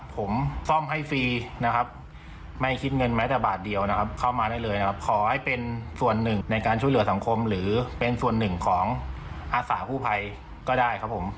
ขอให้เป็นส่วนหนึ่งในการช่วยเหลือสังคมหรือเป็นส่วนหนึ่งของอาสาผู้ไพรก็ได้ครับผม